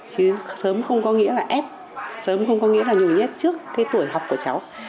chứ sớm không có nghĩa là ép sớm không có nghĩa là nhồi nhét trước cái tuổi học của cháu